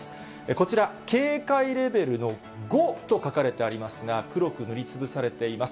こちら、警戒レベルの５と書かれてありますが、黒く塗りつぶされています。